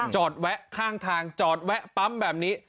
แวะข้างทางจอดแวะปั๊มแบบนี้